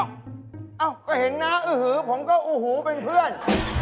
อ้าวก็เห็นนะอุ้หูผมก็อุ้หูเป็นเพื่อน